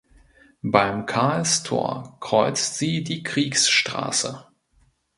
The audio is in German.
Beim Karlstor kreuzt sie die Kriegsstraße.